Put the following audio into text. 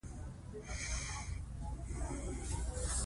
د زور سیاست پای نه لري